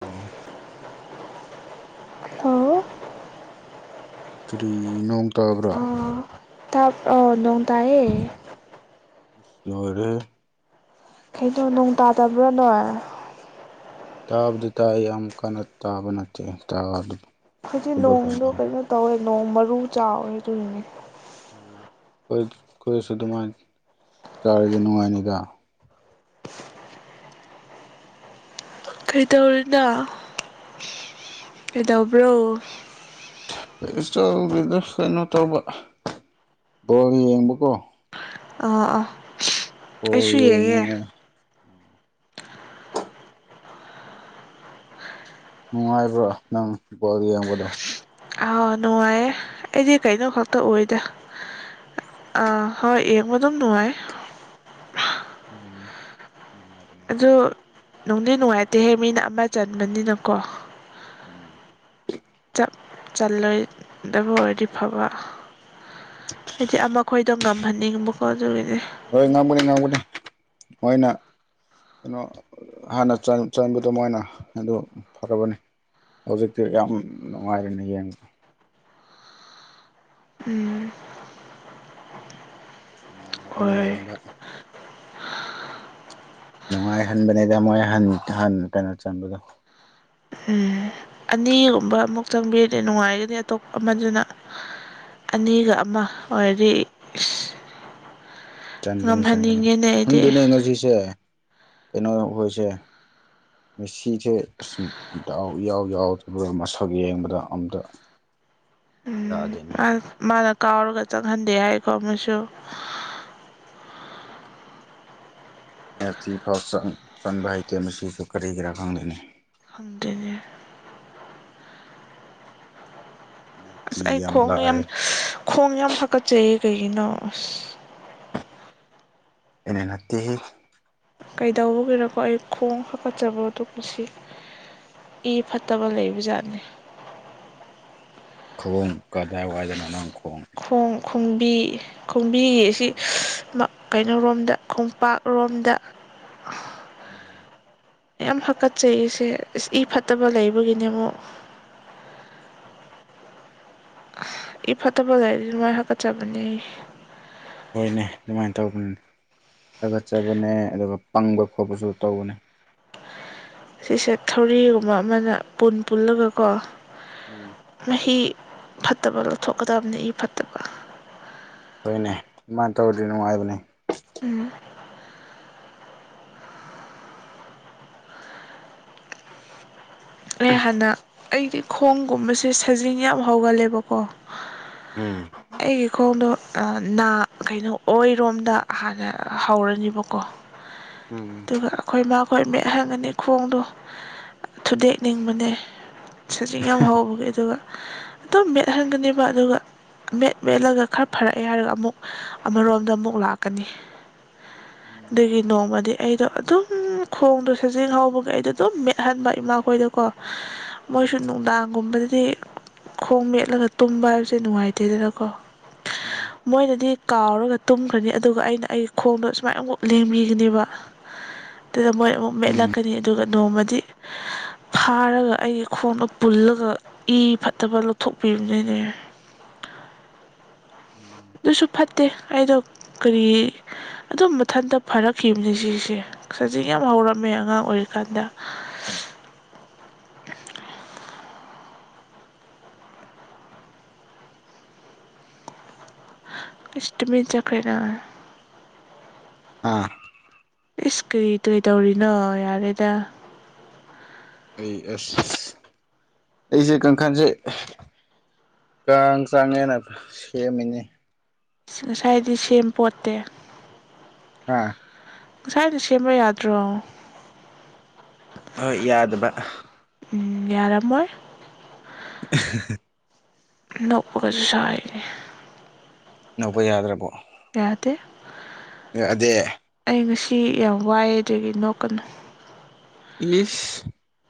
ꯑꯣ ꯍꯜꯂꯣ ꯀꯔꯤꯒꯤ ꯅꯣꯡ ꯇꯥꯕ꯭ꯔꯥ ꯇꯥꯕ꯭ꯔꯣ ꯅꯣꯡ ꯇꯥꯏꯌꯦ ꯑꯁ ꯂꯣꯢꯔꯦꯍꯦ ꯀꯩꯅꯣ ꯅꯣꯡ ꯇꯥꯗꯕ꯭ꯔꯥꯅꯣꯏ ꯇꯥꯕꯗꯤ ꯇꯥꯏ ꯌꯥꯝ ꯀꯟꯅ ꯇꯥꯕ ꯅꯠꯇꯦ ꯇꯥꯕꯗꯤ ꯍꯧꯖꯤꯛ ꯅꯣꯡꯗꯣ ꯀꯩꯅꯣ ꯇꯧꯋꯦ ꯅꯣꯡ ꯃꯔꯨ ꯆꯥꯎꯋꯦ ꯑꯗꯨꯅꯅꯦ ꯑꯣ ꯍꯣꯢ ꯈꯣꯏꯁꯨ ꯗꯨꯃꯥꯏ ꯇꯥꯔꯗꯤ ꯅꯨꯡꯉꯥꯏꯅꯤꯗ ꯀꯩꯗꯧꯔꯤꯅꯣ ꯀꯩꯗꯧꯕ꯭ꯔꯣ ꯀꯩꯁꯨ ꯇꯧꯗꯦꯗ ꯀꯩꯅꯣ ꯇꯧꯕ ꯕꯣꯜ ꯌꯦꯡꯕꯀꯣ ꯑꯥ ꯑꯥ ꯕꯣꯜ ꯌꯦꯡꯉꯦ ꯅꯨꯉꯥꯏꯕ꯭ꯔꯥ ꯅꯪ ꯕꯣꯜ ꯌꯦꯡꯕꯗꯣ ꯑꯥ ꯅꯨꯡꯉꯥꯏꯌꯦ ꯑꯩꯗꯤ ꯀꯩꯅꯣ ꯈꯛꯇ ꯎꯏꯗ ꯑ ꯍꯣꯏ ꯌꯦꯡꯕ ꯗꯨꯝ ꯅꯨꯉꯥꯏ ꯎꯝ ꯅꯨꯉꯥꯏꯕꯅꯦ ꯅꯨꯉꯥꯏꯕꯅꯦ ꯅꯨꯡꯗꯤ ꯅꯨꯡꯉꯥꯏꯇꯦꯍꯦ ꯃꯤꯅ ꯑꯃ ꯆꯟꯕꯅꯤꯅꯀꯣ ꯎꯝ ꯆꯞ ꯆꯜꯂꯣꯏꯗꯕ ꯑꯣꯏꯔꯗꯤ ꯐꯕ ꯍꯥꯏꯗꯤ ꯑꯃꯈꯣꯏꯗꯣ ꯉꯝꯍꯟꯅꯤꯡꯕꯀꯣ ꯑꯗꯨꯒꯤꯅꯦ ꯉꯧꯒꯅꯤ ꯃꯣꯏꯅ ꯀꯩꯅꯣ ꯍꯥꯟꯅ ꯆꯟ ꯆꯟꯕꯗꯣ ꯃꯣꯏꯅ ꯑꯗꯨ ꯐꯔꯕꯅꯦ ꯍꯧꯖꯤꯛꯇꯤ ꯌꯥꯝ ꯅꯨꯡꯉꯥꯏꯔꯅꯦ ꯌꯦꯡꯕ ꯎꯝ ꯌꯥꯝ ꯅꯨꯡꯉꯥꯏꯒꯅꯤ ꯍꯣꯏ ꯌꯦꯡꯕ ꯅꯨꯉꯥꯏꯍꯟꯕꯅꯦꯗ ꯃꯣꯏ ꯍꯟ ꯍꯥꯟ ꯀꯩꯅꯣ ꯆꯟꯕꯗꯣ ꯎꯝ ꯑꯅꯤꯒꯨꯝꯕ ꯑꯃꯨꯛ ꯆꯪꯕꯤꯔꯗꯤ ꯅꯨꯡꯉꯥꯏꯒꯅꯤ ꯑꯇꯣꯞ ꯑꯃꯗꯨꯅ ꯑꯅꯤꯒ ꯃ ꯑꯣꯏꯔꯗꯤ ꯏꯁ ꯆꯟꯒꯅꯤ ꯆꯟꯒꯅꯤ ꯉꯝꯍꯟꯅꯤꯡꯉꯦꯅꯦ ꯑꯩꯗꯤ ꯈꯪꯗꯦꯅꯦ ꯉꯁꯤꯁꯦ ꯀꯩꯅꯣ ꯍꯣꯏꯁꯦ ꯃꯦꯁꯤꯁꯦ ꯑꯁ ꯗꯥꯎ ꯏꯌꯥꯎ ꯌꯥꯎꯗꯕ ꯃꯁꯛ ꯌꯦꯡꯕꯗ ꯑꯝꯇ [inaudible] ꯃꯥꯅ ꯃꯥꯅ ꯀꯥꯎꯔꯒ ꯆꯪꯍꯟꯗꯦ ꯍꯥꯏꯀꯣ ꯑꯃꯁꯨ ꯃꯦꯁꯤ ꯐꯥꯎ ꯆꯪ ꯆꯟꯕ ꯍꯩꯇꯦ ꯃꯁꯤꯁꯨ ꯀꯔꯤꯒꯤꯔꯥ ꯈꯪꯗꯦꯅꯦ ꯈꯪꯗꯦꯅꯦ ꯑꯁ ꯄꯦꯅꯥꯜꯇꯤ ꯑꯩ ꯈꯣꯡꯗꯣ ꯌꯥꯝ ꯂꯥꯛꯑꯦ ꯈꯣꯡ ꯌꯥꯝ ꯍꯥꯀꯠꯆꯩꯌꯦ ꯀꯩꯒꯤꯅꯣ ꯑꯁ ꯑꯩꯅ ꯅꯠꯇꯦꯍꯦ ꯀꯩꯗꯧꯕꯒꯤꯔꯀꯣ ꯑꯩ ꯈꯣꯡ ꯍꯥꯛꯀꯠꯆꯕ ꯗꯨ ꯄꯨꯁꯤ ꯏ ꯐꯠꯇꯕ ꯂꯩꯕ ꯖꯥꯠꯅꯦ ꯈꯣꯡ ꯀꯗꯥꯢ ꯋꯥꯏꯗꯅꯣ ꯅꯪ ꯈꯣꯡ ꯈꯣꯡꯕꯤ ꯈꯣꯡꯕꯤꯒꯤ ꯁꯤ ꯃ ꯀꯩꯅꯣꯔꯣꯝꯗ ꯈꯣꯡꯄꯥꯛꯔꯣꯝꯗ [inaudible] ꯌꯥꯝ ꯍꯥꯀꯠꯆꯩꯌꯦꯁꯦ ꯑꯁ ꯏ ꯐꯠꯇꯕ ꯂꯩꯕꯒꯤꯅꯦ ꯑꯃꯨꯛ [inaudible] ꯏ ꯐꯠꯇꯕ ꯂꯩꯔꯗꯤ ꯁꯨꯃꯥꯏ ꯍꯥꯀ ꯆꯕꯅꯦ ꯍꯣꯏꯅꯦ ꯗꯨꯃꯥꯏ ꯇꯧꯕ ꯊꯥꯒꯠꯆꯕꯅꯦ ꯑꯗꯨꯒ ꯄꯪꯕ ꯈꯣꯠꯄꯁꯨ ꯇꯧꯕꯅꯦ ꯁꯤꯁꯦ ꯊꯧꯔꯤꯒꯨꯝꯕ ꯑꯃꯅ ꯄꯨꯟ ꯄꯨꯜꯂꯒ ꯀꯣ ꯎꯪ ꯏ ꯐꯠꯇꯕ ꯂꯧꯊꯣꯛꯀꯗꯕꯅꯦ ꯏ ꯐꯠꯇꯕ ꯍꯣꯏꯅꯦ ꯑꯗꯨꯃꯥꯏ ꯇꯧꯔꯗꯤ ꯅꯨꯡꯉꯥꯏꯕꯅꯦ UNINTELLIGIBLE ꯑ ꯩ ꯍꯥꯟꯅꯥ ꯑꯩꯗꯤ ꯈꯣꯡꯒꯨꯝꯕꯁꯦ ꯁꯖꯤꯡ ꯌꯥꯝ ꯍꯧꯒꯜꯂꯦꯕꯀꯣ ꯎꯝ ꯑꯩꯒꯤ ꯈꯣꯡꯗꯣ ꯑꯥ ꯅꯥ ꯀꯩꯅꯣ ꯑꯣꯏꯔꯣꯝꯗ ꯍꯥꯟꯅ ꯍꯧꯔꯅꯤꯕꯀꯣ ꯎꯝ ꯑꯗꯨꯒ ꯑꯩꯈꯣꯏ ꯃꯥꯈꯣꯏ ꯃꯦꯠꯍꯟꯒꯅꯤ ꯈꯣꯡꯗꯣ ꯊꯨꯗꯦꯛ ꯅꯤꯡꯕꯅꯦ ꯁꯖꯤꯡ ꯌꯥꯝꯍꯧꯕꯒꯤ ꯑꯗꯨꯒ ꯑꯗꯨꯝ ꯃꯦꯠꯍꯟꯒꯅꯦꯕ ꯑꯗꯨꯒ ꯃꯦꯠ-ꯃꯦꯠꯂꯒ ꯈꯔ ꯐꯔꯛꯑꯦ ꯍꯥꯏꯔꯒ ꯑꯃꯨꯛ ꯑꯃꯔꯣꯝꯗ ꯑꯃꯨꯛ ꯂꯥꯛꯀꯅꯤ INAUDIBLE ꯑꯗꯨꯒꯤ ꯅꯣꯡꯃꯗꯤ ꯑꯩꯗꯣ ꯑꯗꯨꯎꯝ ꯈꯣꯡꯗꯣ ꯁꯖꯤꯡꯍꯧꯕꯒꯤ ꯑꯩꯗꯣ ꯑꯗꯨꯝ ꯃꯦꯠꯍꯟꯕ ꯏꯃꯥꯈꯣꯏꯗ ꯀꯣ ꯎꯝ ꯃꯣꯏꯖꯨ ꯅꯨꯡꯗꯥꯡꯒꯨꯝꯕꯗꯤ ꯗꯤ ꯈꯣꯡ ꯃꯦꯠꯂꯒ ꯇꯨꯝꯕ ꯍꯥꯏꯕꯁꯦ ꯅꯨꯡꯉꯥꯏꯇꯦꯗꯅꯀꯣ ꯎꯝ ꯃꯣꯏꯅꯗꯤ ꯀꯥꯎꯔꯒ ꯇꯨꯝꯈ꯭ꯔꯅꯤ ꯑꯗꯨꯒ ꯑꯩꯅ ꯑꯩ ꯈꯣꯡꯗꯣ ꯁꯨꯃꯥꯏꯅ ꯑꯃꯨꯛ ꯂꯦꯡꯕꯤꯒꯅꯦꯕ ꯑꯗꯨꯗ ꯃꯣꯏ ꯎꯝ ꯑꯃꯨꯛꯃꯦꯠꯂꯛꯀꯅꯤ ꯑꯗꯨꯒ ꯅꯣꯡꯃꯗꯤ ꯐꯥꯔꯒ ꯑꯩꯒꯤ ꯈꯣꯡꯗꯣ ꯄꯨꯜꯂꯒ ꯏꯐꯠꯇꯕ ꯂꯧꯊꯣꯛꯄꯤꯕꯅꯤꯅꯦ INAUDIBLE ꯑꯗꯨꯁꯨ ꯐꯠꯇꯦ ꯑꯩꯗꯣ ꯀꯔꯤ ꯑꯗꯨꯝ ꯃꯊꯟꯇ ꯐꯥꯔꯛꯈꯤꯕꯅꯤ ꯁꯤꯖꯦ ꯁꯖꯤꯡ ꯌꯥꯝ ꯍꯧꯔꯝꯃꯦ ꯑꯉꯥꯡ ꯑꯣꯏꯔꯤꯀꯥꯟꯗ INAUDIBLE ꯏꯁ ꯇꯨꯃꯤꯟ ꯆꯠꯈ꯭ꯔꯦꯅ ꯑꯥꯑꯥ ꯏꯁ ꯀ꯭ꯔꯤ ꯀ꯭ꯔꯤ ꯇꯧꯔꯤꯅꯣ ꯌꯥꯔꯦꯗ ꯑꯩ ꯑꯥꯁ ꯁꯁ ꯑꯩꯖꯦ ꯀꯥꯡꯈꯜꯁꯦ ꯀꯥꯡ ꯆꯥꯡꯉꯦꯅ ꯁꯦꯝꯃꯤꯅꯤ ꯉꯁꯥꯏꯗꯤ ꯁꯦꯝꯄꯣꯠꯇꯦ ꯍꯥꯑꯥ ꯉꯁꯥꯏꯅ ꯁꯦꯝꯕꯌꯥꯗ꯭ꯔꯣ ꯍꯣꯏ ꯌꯥꯗꯕ ꯎꯎꯪ ꯌꯥꯔꯝꯃꯣꯏ INAUDIBLE ꯅꯣꯛꯄꯒꯁꯥꯏ ꯅꯣꯛꯄ ꯌꯥꯗ꯭ꯔꯕꯣ ꯌꯥꯗꯦ ꯌꯥꯗꯦꯑꯦ ꯑꯩ ꯉꯁꯤ ꯌꯥꯝ ꯋꯥꯏꯌꯦ ꯑꯗꯨꯒꯤ ꯅꯣꯛꯀꯅꯨ ꯢꯏꯁ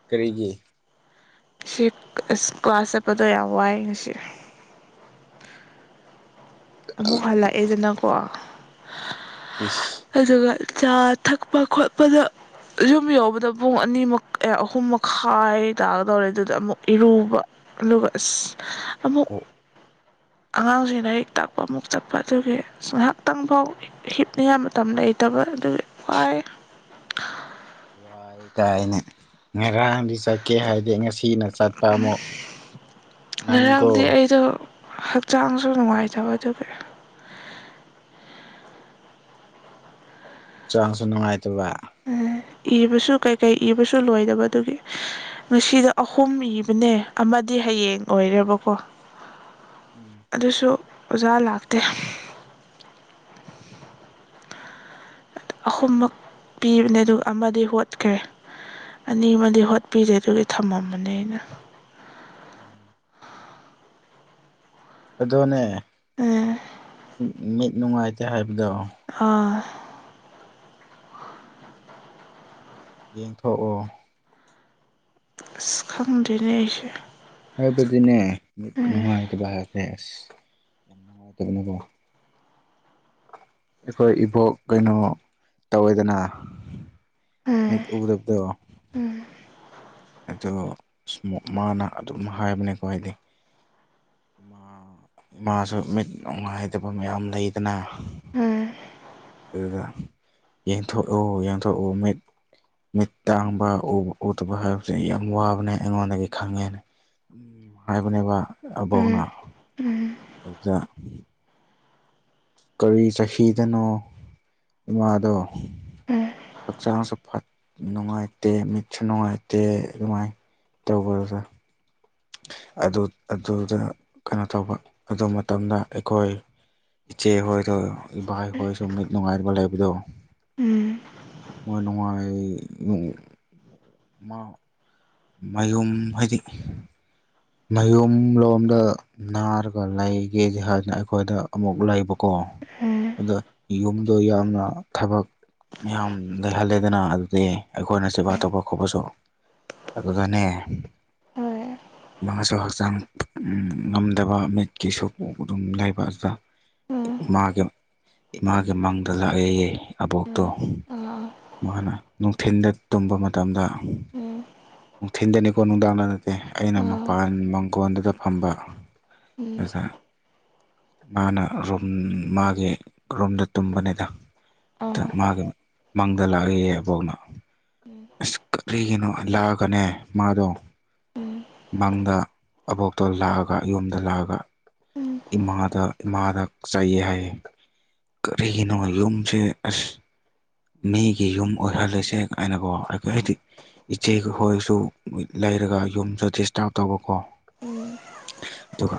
ꯀꯔꯤꯒꯤ ꯁꯤ ꯀ꯭ꯂꯥꯁ ꯆꯠꯄꯗꯣ ꯌꯥꯝ ꯋꯥꯏꯌꯦ ꯉꯁꯤ ꯑꯃꯨꯛ ꯍꯜꯂꯛꯑꯦꯗꯅꯀꯣ ꯏꯁ ꯑꯗꯨꯒ ꯆꯥ ꯊꯛꯄ꯭-ꯈꯣꯠꯄꯗ ꯌꯨꯝꯌꯧꯕꯗ ꯄꯨꯡ ꯑꯅꯤꯃꯨꯛ ꯑꯥꯑꯍꯨꯝ ꯃꯈꯥꯏ ꯇꯥꯒꯗꯧꯔꯦ ꯑꯗꯨꯗ ꯑꯃꯨꯛ ꯏꯔꯨꯕ ꯑꯗꯨꯒ ꯑꯥꯁ ꯑꯃꯨꯛ ꯑꯉꯥꯡꯖꯤ ꯂꯥꯏꯔꯤꯛ ꯇꯥꯛ ꯄꯥ ꯑꯃꯨꯛ ꯆꯠꯄ ꯑꯗꯨꯒꯤ ꯉꯥꯏꯍꯥꯛꯇꯪꯐꯥꯎ ꯍꯤꯞꯅꯤꯡꯉꯥꯏ ꯃꯇꯝ ꯂꯩꯇꯕ ꯑꯗꯨꯒꯤ ꯋꯥꯏ INAUDIBLE ꯋꯥꯏ ꯀꯥꯏꯅ [unintelligible] ꯉꯔꯥꯡꯗꯤ ꯆꯠꯀꯦ ꯍꯥꯏꯗꯦ ꯉꯁꯤꯅ ꯆꯠꯄ ꯑꯃꯨꯛ ꯅꯪꯀꯣ ꯉꯔꯥꯡꯗꯤ ꯑꯩꯗꯣ ꯍꯛꯆꯥꯡꯁꯨ ꯅꯨꯡꯉꯥꯏꯇꯕꯗꯨꯒꯤ ꯍꯛꯆꯥꯡꯁꯨ ꯅꯨꯡꯉꯥꯏꯇꯕ ꯏꯕꯁꯨ ꯀꯩꯀꯩ ꯏꯕꯁꯨ ꯂꯣꯏꯗꯕ ꯑꯗꯨꯒꯤ ꯉꯁꯤꯗ ꯑꯍꯨꯝ ꯏꯕꯅꯦ ꯑꯃ ꯗꯤ ꯍꯌꯦꯡ ꯑꯣꯏꯔꯦꯕꯀꯣ [inaudible] ꯑꯗꯨꯁꯨ ꯑꯣꯖꯥ ꯂꯥꯛꯇꯦ ꯑꯍꯨꯝꯃꯛ ꯄꯤꯕꯅꯦ ꯑꯗꯨꯒ ꯑꯃꯗꯤ ꯍꯣꯠꯈ꯭ꯔꯦ ꯑꯅꯤ ꯑꯃꯗꯤ ꯍꯣꯠꯄꯤꯗꯦ ꯑꯗꯨꯒꯤ ꯊꯝꯃꯝꯕꯅꯦ ꯑꯩꯅ ꯎꯝ [inaudible] ꯑꯣꯅꯦ ꯎꯝ ꯃꯤꯠ ꯅꯨꯡꯉꯥꯏꯇꯦ ꯍꯥꯏꯕ ꯍꯥ ꯌꯦꯡꯊꯣꯛꯑꯣ ꯑꯁ ꯈꯪꯗꯔꯦꯅꯦ ꯑꯩꯁꯦ ꯍꯥꯏꯕꯗꯤꯅꯦ ꯃꯤꯠ ꯎꯝ ꯅꯨꯡꯉꯥꯏꯇꯕ ꯍꯥꯏꯁꯦ ꯑꯁ ꯌꯥꯝ ꯅꯨꯡꯉꯥꯏꯇꯕꯅꯦꯀꯣ ꯑꯩꯈꯣꯏ ꯏꯕꯣꯛ ꯀꯩꯅꯣ ꯇꯧꯋꯦꯗꯅ ꯎꯝ ꯃꯤꯠ ꯎꯗꯕꯗꯣ ꯎꯝ ꯑꯗꯣ ꯃꯥꯅ ꯑꯗꯨꯝ ꯍꯥꯏꯕꯅꯦꯀꯣ ꯍꯥꯏꯗꯤ ꯥ ꯃꯥꯁꯨ ꯃꯤꯠ ꯅꯨꯡꯉꯥꯏꯇꯕ ꯃꯌꯥꯝ ꯂꯩꯗꯅ ꯎꯝ ꯑꯗꯨꯗ ꯌꯦꯡꯊꯣꯛꯑꯣ ꯌꯦꯡꯊꯣꯛꯑꯣ ꯃꯤꯠ ꯃꯤꯠ ꯇꯥꯡꯕ ꯎꯗꯥꯕ ꯍꯥꯏꯕꯁꯦ ꯌꯥꯝ ꯋꯥꯕꯅꯦ ꯑꯩꯉꯣꯟꯗꯒꯤ ꯈꯪꯉꯦꯅꯦ [inaudible] ꯍꯥꯏꯕꯅꯦꯕ ꯎꯝ ꯑꯕꯣꯛꯅ ꯑꯗꯨꯗ ꯀꯔꯤ ꯆꯍꯤꯗꯅꯣ ꯏꯃꯥꯗꯣ ꯎꯝ ꯍꯛꯆꯥꯡꯁꯨ ꯐꯠ ꯅꯨꯡꯉꯥꯏꯇꯦ ꯃꯤꯠꯁꯨ ꯅꯨꯡꯉꯥꯏꯇꯦ ꯑꯗꯨꯃꯥꯏꯅ ꯇꯧꯕꯗꯦ [unintelligible] ꯑꯗꯨꯗ ꯀꯩꯅꯣ ꯇꯧꯕ ꯑꯗꯨ ꯃꯇꯝꯗ ꯑꯩꯈꯣꯏ ꯏꯆꯦ ꯍꯣꯏꯗꯨ ꯏꯕꯥꯏ ꯍꯣꯏꯁꯨ ꯃꯤꯠ ꯅꯨꯡꯉꯥꯏꯇꯥꯕ ꯂꯩꯕꯗꯨ ꯎꯝ ꯎꯝ ꯅ ꯅꯨꯡꯉꯥꯏ ꯃꯥ [unintelligible] [inaudible] ꯃꯌꯨꯝ ꯍꯥꯏꯗꯤ ꯃꯌꯨꯝ ꯂꯣꯝꯗ ꯅꯥꯔꯒ ꯂꯩꯒꯦꯗꯤ ꯍꯥꯏꯗꯅ ꯑꯩꯈꯣꯏꯗ ꯑꯃꯨꯛ ꯂꯩꯕ ꯀꯣ ꯎꯝ ꯑꯗꯣ ꯌꯨꯝꯗꯣ ꯌꯥꯝꯅ ꯊꯕꯛ ꯃꯌꯥꯝ ꯂꯩꯍꯜꯂꯦꯗꯅ ꯑꯗꯨꯗꯤ ꯑꯩꯈꯣꯏꯅ ꯁꯦꯕꯥ ꯇꯧꯕ ꯈꯣꯠꯄꯁꯨ ꯑꯗꯨꯒꯅꯦ ꯍꯣꯏ ꯃꯥꯃꯁꯨ ꯍꯛꯆꯥꯡ ꯉꯝꯗꯕ ꯃꯤꯠꯀꯤꯁꯨ ꯑꯗꯨꯝ ꯂꯩꯕ ꯑꯗꯨꯗ ꯎꯝ ꯏꯃꯥꯒꯤ ꯏꯃꯥꯒꯤ ꯃꯥꯡꯗ ꯂꯥꯛꯑꯦꯌꯦ ꯑꯕꯣꯛ ꯇꯣ ꯎꯝ ꯑꯥ ꯃꯥꯅ ꯅꯨꯡꯊꯤꯟꯗ ꯇꯨꯝꯕ ꯃꯇꯝꯗ ꯎꯝ ꯅꯨꯡꯊꯤꯟꯗꯅꯤꯀꯣ ꯅꯨꯡꯗꯥꯡꯗ ꯅꯠꯇꯦ ꯑꯩꯅ ꯑꯥ ꯃꯄꯥꯟ ꯃꯪꯒꯣꯟꯗꯨꯗ ꯐꯝꯕ ꯎꯝ ꯑꯗꯨꯗ ꯃꯥꯅ ꯔꯨꯝ ꯃꯥꯒꯤ ꯔꯨꯝꯗ ꯇꯨꯝꯕꯅꯤꯗ ꯑꯥ ꯑ [unintelligible] ꯃꯥꯒꯤ ꯃꯥꯡꯗ ꯂꯥꯛꯑꯦꯌꯦ ꯑꯕꯣꯛꯅ ꯎꯝ ꯑꯁ ꯀꯔꯤꯒꯤꯅꯣ ꯌꯔꯒꯥꯅꯦ ꯃꯥꯗꯣ ꯎꯝ ꯃꯪꯗ ꯑꯕꯣꯛꯇꯣ ꯂꯥꯛꯑꯒ ꯌꯨꯝꯗ ꯂꯥꯛꯑꯒ ꯎꯝ ꯏꯃꯥꯗ ꯏꯃꯥꯗ ꯆꯥꯏꯌꯦ ꯍꯥꯏꯌꯦ ꯀꯔꯤꯅꯣ ꯌꯨꯝꯁꯦ ꯑꯁ ꯃꯤꯒꯤ ꯌꯨꯝ ꯑꯣꯏꯍꯜꯂꯁꯦ ꯀꯥꯏꯅꯀꯣ ꯑꯩꯏ ꯑꯩꯗꯤ ꯏꯆꯦ ꯍꯣꯏꯁꯨ ꯂꯩꯔꯒ ꯌꯨꯝꯁꯨ ꯗꯤꯁꯇꯥꯔꯕ ꯇꯧꯕꯀꯣ ꯑꯗꯨꯒ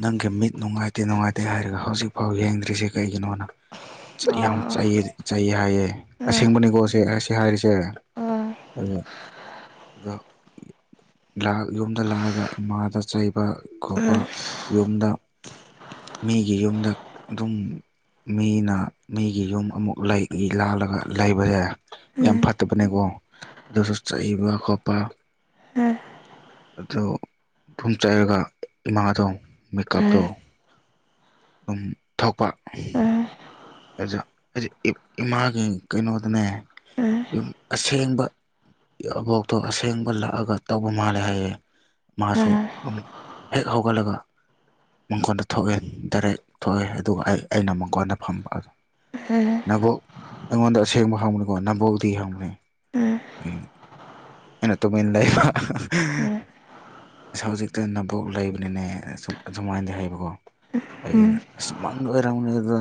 ꯅꯪꯒꯤ ꯃꯤꯠ ꯅꯨꯡꯉꯥꯏꯇꯦ ꯅꯨꯡꯉꯥꯏꯇꯦ ꯍꯥꯏꯔꯒ ꯍꯧꯖꯤꯛꯐꯥꯎ ꯌꯦꯡꯗ꯭ꯔꯤꯁꯦ ꯀꯩꯒꯤꯅꯣꯅ ꯆꯩ ꯌꯥꯝ ꯑꯥ ꯆꯥꯏꯌꯦꯗꯤ ꯆꯩꯌꯦ ꯍꯥꯏꯌꯦ ꯎꯝ ꯑꯁꯦꯡꯕꯅꯤꯀꯣ ꯁꯤ ꯑꯁꯤ ꯍꯥꯏꯔꯤꯁꯦ ꯑꯥ ꯎꯝ ꯑꯗꯨ ꯑꯗꯣ ꯌꯨꯝꯗ ꯂꯥꯛꯑꯒ ꯏꯃꯥꯗ ꯆꯩꯕ ꯈꯣꯠꯕ ꯎꯝ ꯌꯨꯝꯗ ꯃꯤꯒꯤ ꯌꯨꯝꯗ ꯑꯗꯨꯝ ꯃꯤꯅ ꯃꯤꯒꯤ ꯌꯨꯝ ꯑꯃꯨꯛ ꯂꯥꯜꯂꯒ ꯂꯩꯕꯁꯦ ꯌꯥꯝ ꯎꯝ ꯎꯝ ꯎꯝ ꯎꯝ ꯐꯠꯇꯕꯅꯦꯀꯣ ꯑꯗꯨꯁꯨ ꯆꯩꯕ ꯈꯣꯠꯄ ꯑꯗꯨ ꯐꯨꯝ ꯆꯥꯏꯔꯒ ꯏꯃꯥꯗꯣ ꯃꯦꯀꯞꯇꯣ ꯑꯗꯨꯝ ꯊꯣꯛꯄ ꯑꯩꯖꯨ ꯑꯩꯖꯨ ꯏꯃꯥꯒꯤ ꯀꯩꯅꯣꯗꯅꯦ ꯌꯨꯝ ꯑꯁꯦꯡꯕ ꯑꯕꯣꯛꯇꯣ ꯑꯁꯦꯡꯕ ꯂꯥꯛꯑꯒ ꯇꯧꯕ ꯃꯥꯜꯂꯦ ꯍꯥꯏꯌꯦ ꯃꯥꯁꯨ ꯑꯃꯨꯛ ꯍꯦꯛ ꯍꯧꯒꯜꯂꯒ ꯃꯪꯒꯣꯟꯗ ꯊꯣꯛꯑꯦ ꯗꯥꯏꯔꯦꯛ ꯊꯣꯛꯑꯦ ꯑꯗꯨꯒ ꯑꯩ ꯑꯩꯅ ꯃꯪꯒꯣꯟꯗ ꯐꯝꯕ ꯍꯦꯍꯦ ꯅꯕꯣꯛ ꯎꯝ ꯑꯩꯉꯣꯟꯗ ꯑꯁꯦꯡꯕ ꯍꯪꯕꯅꯤꯀꯣ ꯅꯝꯕꯣꯛꯇꯤ ꯍꯪꯕꯅꯤ ꯑꯩ ꯑꯩꯅ ꯇꯨꯃꯤꯟ ꯂꯩꯏꯕ ꯍꯤꯍꯤꯍꯤ ꯏꯁ ꯍꯧꯖꯤꯛꯇ ꯅꯕꯣꯛ ꯂꯩꯕꯅꯤꯅꯦ ꯑꯗꯨꯃꯥꯏꯅꯗꯤ ꯍꯥꯏꯕꯀꯣ ꯎꯝ ꯎꯝ ꯑꯩꯅ ꯎꯝ ꯑꯁ ꯃꯡ ꯑꯣꯏꯔꯝꯅꯦꯗ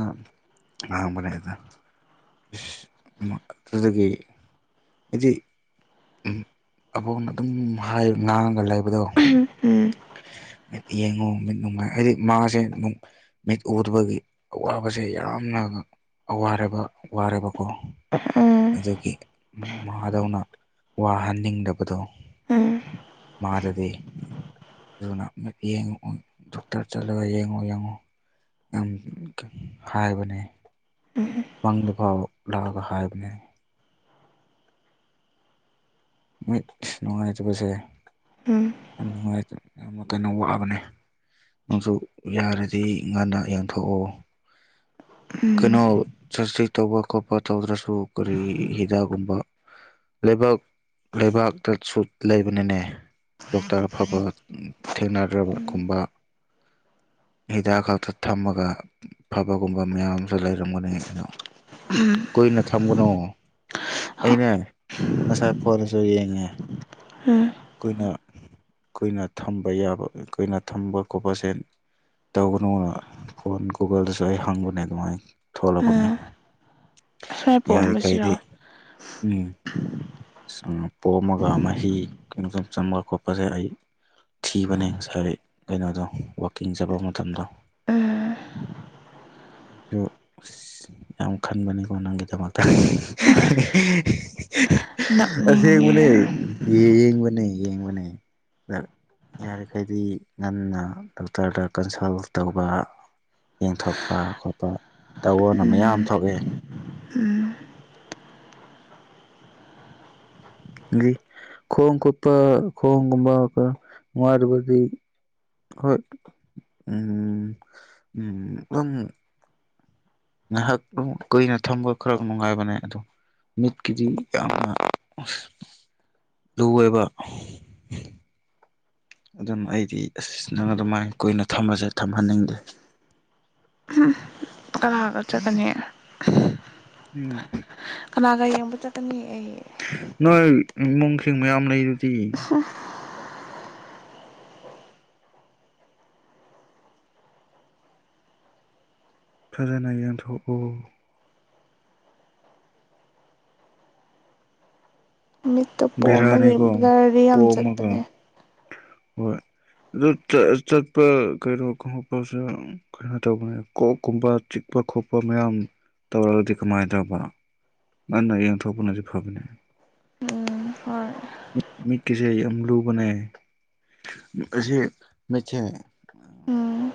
ꯉꯥꯡꯕꯅꯦꯗ ꯏꯁ ꯑꯗꯨꯗꯒꯤ ꯍꯥꯏꯗꯤ ꯎꯝ ꯑꯕꯣꯛꯅ ꯑꯗꯨꯝ ꯍꯥꯏ ꯉꯥꯡꯉꯒ ꯂꯩꯕ ꯕꯗꯣ ꯎꯝ ꯎꯝ ꯌꯦꯡꯉꯨ ꯃꯤꯠ ꯅꯨꯡꯉꯥꯏ ꯍꯥꯏꯗꯤ ꯃꯥꯁꯦ ꯑꯗꯨꯝ ꯃꯤꯠ ꯎꯗꯕꯒꯤ ꯑꯋꯥꯕꯁꯦ ꯌꯥꯝꯅ ꯑꯋꯥꯔꯕ ꯋꯥꯔꯕꯀꯣ ꯎꯝ ꯑꯗꯨꯒꯤ ꯎꯝ ꯃꯍꯥꯗꯧꯅ ꯋꯥꯍꯟꯅꯤꯡꯗꯕꯗꯣ ꯎꯝ ꯃꯥꯗꯗꯤ ꯑꯗꯨꯅ ꯌꯦꯡꯉꯣ ꯗꯣꯛꯇꯔ ꯆꯠꯂꯒ ꯌꯦꯡꯉꯨ ꯌꯦꯡꯉꯨ ꯎꯝ ꯍꯥꯏꯕꯅꯦ ꯎꯝ ꯃꯪꯗꯀꯥꯎ ꯂꯥꯛꯒ ꯍꯥꯏꯕꯅꯦ ꯃꯤꯠ ꯅꯨꯡꯉꯥꯏꯇꯄꯁꯦ ꯎꯝ ꯌꯥꯝ ꯅꯨꯡꯉꯥꯏ ꯌꯥꯝ ꯀꯟꯅ ꯋꯥꯕꯅꯦ ꯅꯪꯁꯨ ꯌꯥꯔꯗꯤ ꯉꯟꯅ ꯌꯦꯡꯊꯣꯛꯑꯣ ꯎꯝ ꯀꯩꯅꯣ ꯁꯁꯤ ꯇꯧꯕ ꯈꯣꯠꯄ ꯇꯧꯗ꯭ꯔꯁꯨ ꯀꯔꯤ ꯍꯤꯗꯥꯛꯒꯨꯝꯕ ꯂꯩꯕꯥꯛ ꯂꯩꯕꯥꯛꯇꯁꯨ ꯂꯩꯕꯅꯅꯦ ꯗꯣꯛꯇꯔ ꯑꯐꯕ ꯊꯦꯡꯅꯗ꯭ꯔꯕꯒꯨꯝꯕ ꯍꯤꯗꯥꯛ ꯈꯛꯇ ꯊꯝꯃꯒ ꯐꯕꯒꯨꯝꯕ ꯃꯌꯥꯝ ꯑꯃꯁꯨ ꯂꯩꯔꯝꯒꯅꯤ ꯑꯗꯣ ꯀꯨꯏꯅ ꯊꯝꯒꯅꯣ ꯍ ꯑꯩꯅꯦ ꯉꯁꯥꯏ ꯐꯣꯟꯁꯨ ꯌꯦꯡꯉꯦ ꯎꯝ ꯅ ꯑꯩꯈꯣꯏꯅ ꯊꯝꯕ ꯌꯥꯕ ꯑꯩꯈꯣꯏꯅ ꯊꯝꯕ ꯈꯣꯠꯄꯁꯦ ꯇꯧꯒꯅꯨꯅ ꯐꯣꯟ ꯒꯨꯒꯜꯗꯁꯨ ꯑꯩ ꯍꯪꯕꯅꯦ ꯑꯗꯨꯃꯥꯏꯅ ꯊꯣꯛꯂꯛꯄꯅꯦ ꯎꯝ ꯁ꯭ꯋꯥꯏ ꯌꯥꯔꯦꯈꯩꯗꯤ ꯄꯣꯝꯕꯁꯤꯔꯣ ꯎꯝ ꯄꯣꯝꯃꯒ ꯃꯍꯤ ꯆꯪꯕ ꯈꯣꯠꯄꯁꯦ ꯑꯩ ꯊꯤꯕꯅꯦ ꯉꯁꯥꯏ ꯀꯩꯅꯣꯗꯣ ꯋꯥꯛꯀꯤꯡ ꯆꯠꯄ ꯃꯇꯝꯗꯣ ꯎꯝ [unintelligible] ꯑꯩꯁꯨ ꯑꯁ ꯌꯥꯝ ꯈꯟꯕꯅꯤꯀꯣ ꯅꯪꯒꯤꯗꯃꯛꯇ ꯅꯛꯅꯤꯡꯉꯦ ꯑꯁꯦꯡꯕꯅꯦ ꯌꯦꯡꯕꯅꯦ ꯌꯦꯡꯕꯅꯦ ꯌꯥꯔꯤꯈꯩꯗꯤ ꯉꯟꯅ ꯗꯣꯛꯇꯔꯗ ꯀꯟꯁꯜ ꯇꯧꯕ ꯌꯦꯡꯊꯣꯛꯄ ꯈꯣꯠꯄ ꯇꯧꯋꯣꯅ ꯃꯌꯥꯝ ꯊꯣꯛꯑꯦ ꯖꯤ ꯈꯣꯡ ꯀꯣꯄ ꯈꯣꯡ ꯀꯨꯝꯕ ꯅꯨꯉꯥꯏꯇꯕꯗꯤ ꯍꯣꯏ ꯎ ꯎꯝ ꯑꯗꯨꯝ ꯉꯥꯏꯍꯥꯛ ꯑꯗꯨꯝ ꯀꯨꯏꯅ ꯊꯝꯕ ꯈꯔ ꯅꯨꯡꯉꯥꯏꯕꯅꯦ ꯑꯗꯣ ꯃꯤꯠ ꯀꯤꯗꯤ ꯌꯥꯝ ꯑꯁ ꯂꯨ ꯑꯣꯏꯕ ꯑꯗꯨꯝ ꯑꯩꯗꯤ ꯑꯁ ꯅꯪ ꯑꯗꯨꯃꯥꯏ ꯀꯨꯏꯅ ꯊꯝꯃꯁꯦ ꯊꯝꯍꯟꯅꯤꯡꯗꯦ ꯎꯝ ꯀꯥꯅꯒꯆꯠꯀꯅꯤ ꯎꯝ ꯀꯅꯥꯒ ꯌꯦꯡꯕ ꯆꯠꯀꯅꯤ ꯑꯩ ꯅꯣꯏ ꯏꯃꯨꯡꯁꯤꯡ ꯃꯌꯥꯝ ꯂꯩ ꯑꯗꯨꯗꯤ ꯐꯖꯅ ꯌꯦꯡꯊꯣꯛ ꯑꯣ ꯃꯤꯠꯇꯣ ꯄꯣꯝꯕꯒꯤ ꯕꯦꯔꯥꯅꯤꯒꯣ ꯕ꯭ꯂꯔꯗꯤ ꯌꯥꯝ ꯄꯣꯝꯃꯒ ꯆꯠꯄꯅꯦ ꯍꯣꯏ ꯑꯗꯨ ꯆꯠꯄ ꯀꯩꯅꯣ ꯈꯪꯄꯁꯨ ꯀꯩꯅꯣ ꯇꯧꯕꯅꯦ ꯀꯣꯛꯀꯨꯝꯕ ꯆꯤꯛ ꯈꯣꯠꯄ ꯈꯣꯠꯄ ꯃꯌꯥꯝ ꯇꯧꯔꯒꯗꯤ ꯀꯃꯥꯏꯅ ꯇꯧꯕ ꯉꯟꯅ ꯌꯦꯡꯊꯣꯛꯄꯅꯁꯨ ꯐꯕꯅꯦ ꯎꯝ ꯍꯣꯏ ꯃꯤꯠ ꯃꯤꯠꯀꯤꯁꯦ ꯌꯥꯝ ꯂꯨꯕꯅꯦ ꯑꯁꯤ ꯃꯤꯠꯁꯦ ꯎ ꯎꯝ